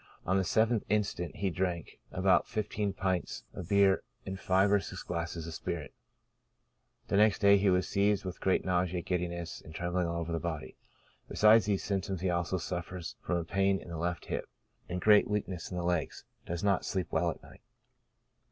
On the yth instant he drank about fifteen pints of beer, and five or six glasses of spirits. The next day he was seized with great nausea, giddiness, and trembling all over the body. Besides these symptoms, he also suffers from a pain in the left hip, and great weakness in the legs, does not sleep well at night.